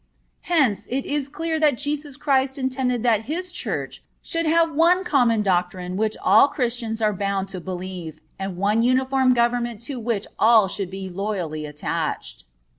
Hence, it is clear that Jesus Christ intended that His Church should have one common doctrine which all Christians are bound to believe, and one uniform government to which all should be loyally attached.